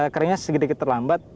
keringnya sedikit sedikit terlambat